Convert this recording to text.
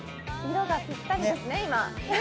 色がぴったりですね、今。